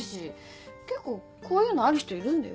結構こういうのある人いるんだよ。